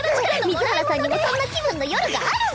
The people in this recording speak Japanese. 水原さんにもそんな気分の夜があるっス。